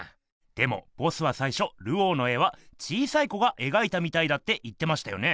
でもボスはさいしょルオーの絵は小さい子がえがいたみたいだって言ってましたよね？